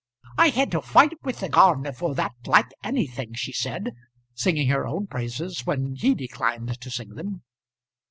"I had to fight with the gardener for that like anything," she said, singing her own praises when he declined to sing them.